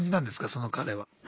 その彼は。